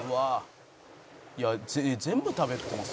「いや全部食べてます？